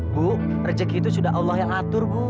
bu rejeki itu sudah allah yang atur bu